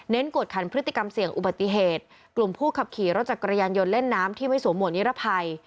กวดขันพฤติกรรมเสี่ยงอุบัติเหตุกลุ่มผู้ขับขี่รถจักรยานยนต์เล่นน้ำที่ไม่สวมหวดนิรภัย